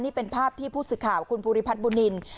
นี้เป็นภาพที่พูดศึกข่าวว่าคุณภูริพัชบุรินิน